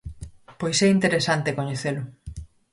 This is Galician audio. Pois é interesante coñecelo.